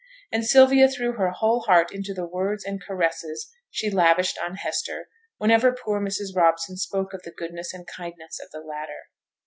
And Sylvia threw her whole heart into the words and caresses she lavished on Hester whenever poor Mrs. Robson spoke of the goodness and kindness of the latter.